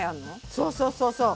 そうそうそうそう。